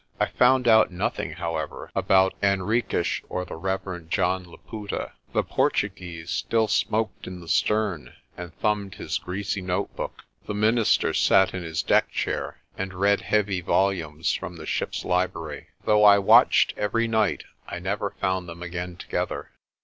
I found out nothing, however, about Hen riques or the Rev. John Laputa. The Portuguese still smoked in the stern, and thumbed his greasy notebook; the minister sat in his deck chair, and read heavy volumes from the ship's library. Though I watched every night, I never found them again together.